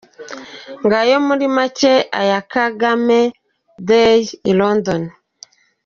Ngayo muri make aya Kagame day i London!